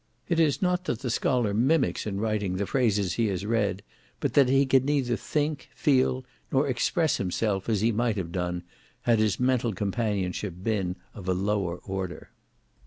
It is not that the scholar mimics in writing the phrases he has read, but that he can neither think, feel, nor express himself as he might have done, had his mental companionship been of a lower order.